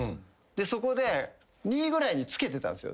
そこで２位ぐらいにつけてたんすよ。